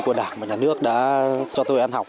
của đảng và nhà nước đã cho tôi ăn học